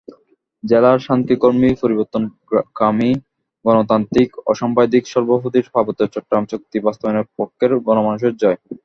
জেলার শান্তিকামী, পরিবর্তনকামী, গণতান্ত্রিক, অসামপ্রদায়িক—সর্বোপরি পার্বত্য চট্টগ্রাম চুক্তি বাস্তবায়নের পক্ষের গণমানুষের জয়।